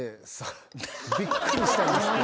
びっくりしたんですけど。